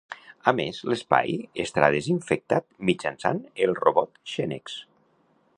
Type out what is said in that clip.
A més, l'espai estarà desinfectat mitjançant el robot Xenex.